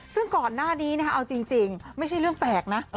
ซึ่งก่อนหน้านี้เอาจริงไม่ใช่เรื่องแปลกนะ